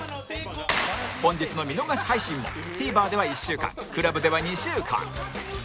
本日の見逃し配信も ＴＶｅｒ では１週間 ＣＬＵＢ では２週間